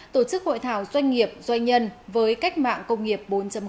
tổ chức hội thảo doanh nghiệp doanh nhân với cách mạng công nghiệp bốn